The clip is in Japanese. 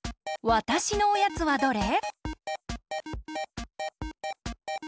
わたしのおやつはどれ？